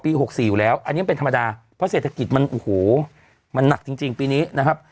ปี๖๔อยู่แล้วอันยังเป็นธรรมดาเพราะเศรษฐกิจมันหนักจริงในปีนี้นะครับ